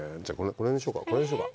これにしようかこれにしようか。